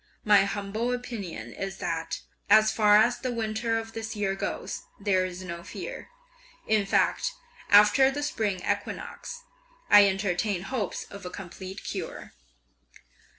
My humble opinion is that, as far as the winter of this year goes, there is no fear; in fact, after the spring equinox, I entertain hopes of a complete cure."